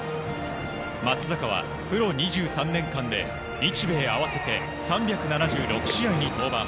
松坂は、プロ２３年間で日米合わせて３７６試合に登板。